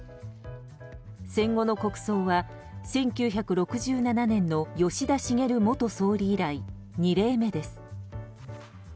戦後の国葬は１９６７年の吉田茂元総理以来２例目です。